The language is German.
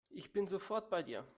Ich bin sofort bei dir.